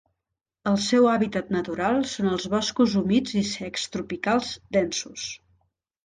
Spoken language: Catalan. El seu hàbitat natural són els boscos humits i secs tropicals densos.